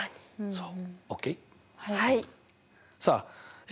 そう。